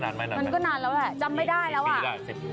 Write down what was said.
มันก็นานแล้วแหละจำไม่ได้แล้วอ่ะ